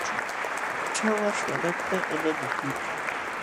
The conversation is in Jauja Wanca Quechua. ćhawa salakta ama mikuychu.